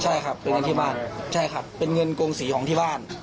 ใช่ครับเป็นเงินที่บ้านใช่ครับเป็นเงินโกงสีของที่บ้าน